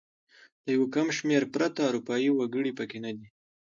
له یو کم شمېر پرته اروپايي وګړي پکې نه دي.